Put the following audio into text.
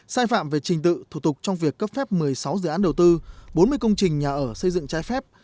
sai phạm về trình tự thủ tục trong việc cấp phép một mươi sáu dự án đầu tư bốn mươi công trình nhà ở xây dựng trái phép